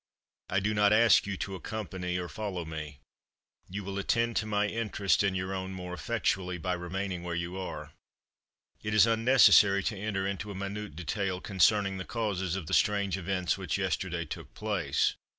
I do not ask you to accompany, or follow me; you will attend to my interest and your own more effectually by remaining where you are. It is unnecessary to enter into a minute detail concerning the causes of the strange events which yesterday took place.